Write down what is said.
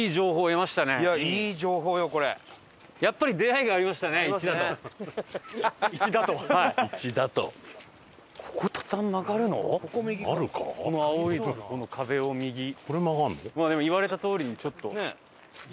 まあでも言われたとおりにちょっと。